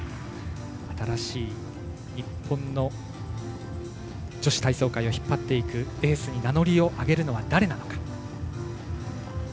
新しい日本の女子体操界を引っ張っていくエースに名乗りを挙げるのは誰なのか。